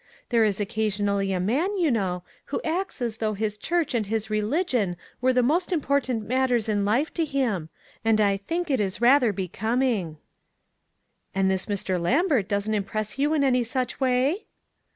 There is occasionally a man, you know, who acts as though his church and his religion were the most important matters in life to nim, and I think it is rather becoming —" "And this Mr. Lambert doesn't impress you in any such way